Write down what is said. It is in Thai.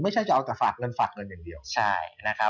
ไม่ใช่วางเงินฝากเงินกัน